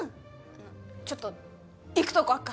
あのちょっと行くとこあっから。